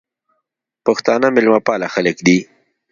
پښتانه میلمه پاله خلک دي